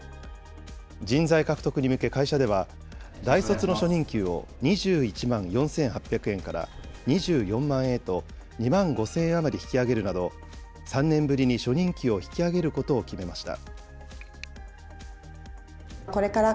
人材獲得に向け会社では、大卒の初任給を２１万４８００円から２４万円へと２万５０００円余り引き上げるなど、３年ぶりに初任給を引き上げることを決めました。